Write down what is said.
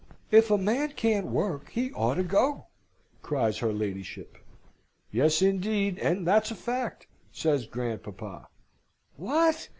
"If a man can't work he ought to go!" cries her ladyship. "Yes, indeed, and that's a fact!" says grandpapa. "What!